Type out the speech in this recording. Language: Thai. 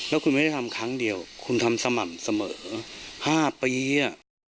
แล้วคุณไม่ได้ทำครั้งเดียวคุณทำสม่ำเสมอ๕ปีอ่ะ